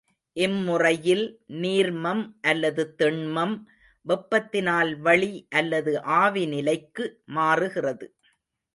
இம்முறையில் நீர்மம் அல்லது திண்மம் வெப்பத்தினால் வளி அல்லது ஆவிநிலைக்கு மாறுகிறது.